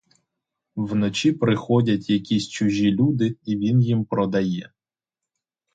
Вночі приходять якісь чужі люди, і він їм продає.